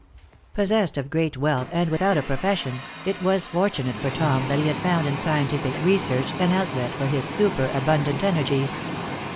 Possessed of great wealth and without a profession, it was fortunate for Tom that he had found in scientific research an outlet for his superabundant energies.